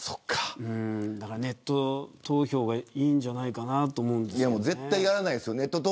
だから、ネット投票がいいんじゃないかなって絶対やらないですよ。